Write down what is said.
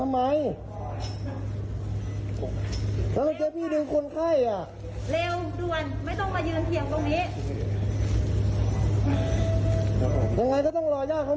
ครับผมเคลียร์กินนะครับจากตอนใดจุดมอดต้องการรับทุกอย่าง